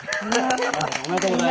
・おめでとうございます。